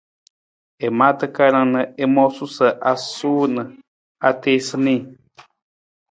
I maa takarang na i moosu sa a suu na a tiisa nii.